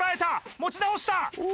持ち直した！